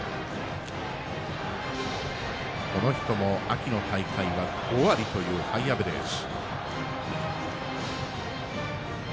この人も秋の大会は５割というハイアベレージ。